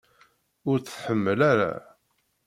Ur t-tḥemmel ara?